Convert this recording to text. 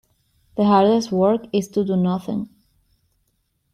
The hardest work is to do nothing.